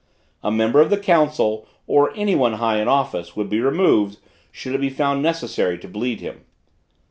A member of the council, or any one high in office, would be removed, should it be found necessary to bleed him.